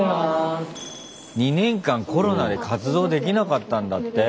２年間コロナで活動できなかったんだって。